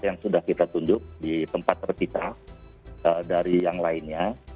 yang sudah kita tunjuk di tempat terpisah dari yang lainnya